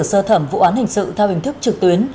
sơ thẩm vụ án hình sự theo hình thức trực tuyến